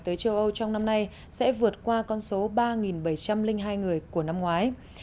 tới châu âu trong năm nay sẽ vượt qua con số ba bảy trăm linh hai người của năm ngoái